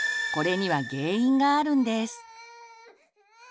これには原因があるんです。